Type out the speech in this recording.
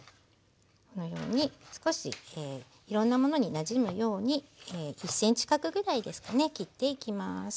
このように少しいろんなものになじむように１ｃｍ角ぐらいですかね切っていきます。